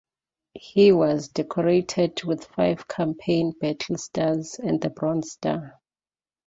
He was decorated with five campaign battle stars and the Bronze Star.